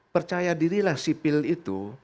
percaya dirilah sipil itu